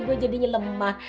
gue jadinya lemah